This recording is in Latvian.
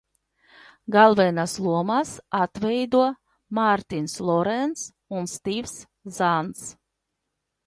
Galvenās lomas atveido Mārtins Lorenss un Stīvs Zāns.